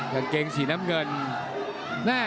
กางเกงสีน้ำเงิน